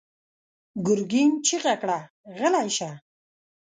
ګرګين چيغه کړه: غلی شه!